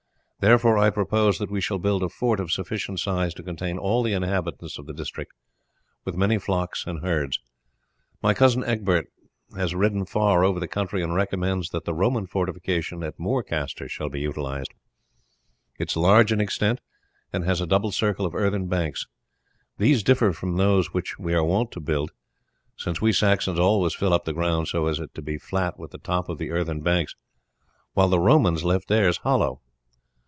Therefore I propose that we shall build a fort of sufficient size to contain all the inhabitants of the district, with many flocks and herds. My cousin Egbert has ridden far over the country, and recommends that the Roman fortification at Moorcaster shall be utilized. It is large in extent, and has a double circle of earthen banks. These differ from those which we are wont to build, since we Saxons always fill up the ground so as to be flat with the top of the earthen banks, while the Romans left theirs hollow.